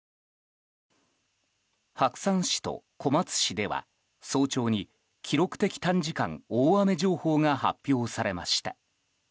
白山市と小松市では早朝に記録的短時間大雨情報が発表されました。